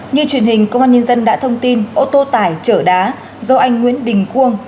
như truyền hình công an nhân dân đã thông tin ô tô tải trở đá do anh nguyễn đình cuông